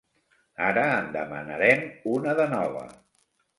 Ara en demanarem una de nova.